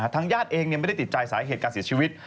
ทางญาติเองไม่ได้ติดใจสาเหตุการเสียชีวิต